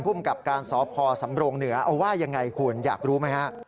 ภูมิกับการสพสำรงเหนือเอาว่ายังไงคุณอยากรู้ไหมฮะ